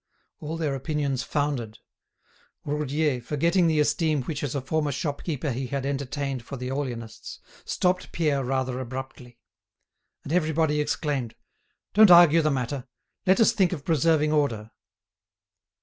All their opinions foundered. Roudier, forgetting the esteem which as a former shopkeeper he had entertained for the Orleanists, stopped Pierre rather abruptly. And everybody exclaimed: "Don't argue the matter. Let us think of preserving order."